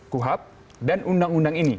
kuhab dan undang undang ini